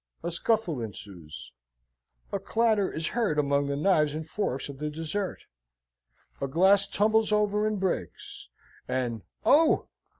A scuffle ensues; a clatter is heard among the knives and forks of the dessert; a glass tumbles over and breaks. An "Oh!"